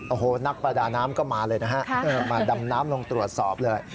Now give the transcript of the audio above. โอ้โหนักประดาน้ำก็มาเลยนะฮะมาดำน้ำลงตรวจสอบเลย